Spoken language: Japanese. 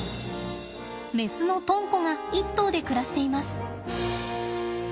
メスのとんこが１頭で暮らしています。